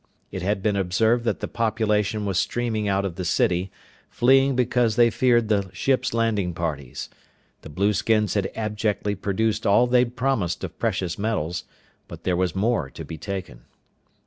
It had been observed that the population was streaming out of the city, fleeing because they feared the ships' landing parties. The blueskins had abjectly produced all they'd promised of precious metals, but there was more to be taken.